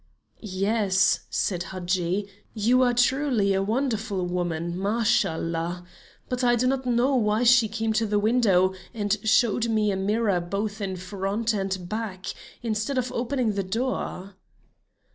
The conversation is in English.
"Yes," said Hadji. "You are truly a wonderful woman, Mashallah! But I do not know why she came to the window and showed me a mirror both in front and back, instead of opening the door."